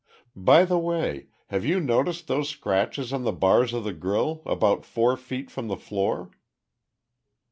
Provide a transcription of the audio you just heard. By the way, have you noticed those scratches on the bars of the grille, about four feet from the floor?"